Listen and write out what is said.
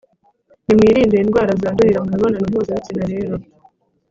Nimwirinde indwara zandurira mu mibonano mpuzabitsina rero,